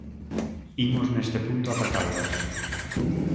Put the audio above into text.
Imos neste punto ata Caldas.